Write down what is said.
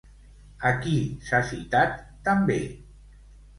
A qui s'ha citat també?